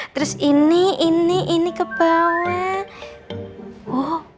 terus ini ini ke bawah